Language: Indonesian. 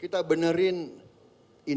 kita benerin intern kita